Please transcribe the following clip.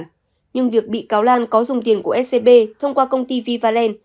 nhưng việc bị cáo lan có dùng tiền của scb thông qua công ty vivaland